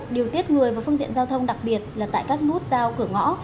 điều tiết người và phương tiện giao thông đặc biệt là tại các nút giao cửa ngõ